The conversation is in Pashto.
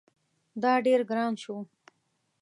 دا ډیر ګران شو